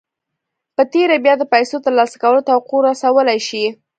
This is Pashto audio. په تېره بيا د پيسو ترلاسه کولو توقع رسولای شئ.